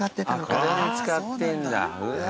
これに使ってんだ。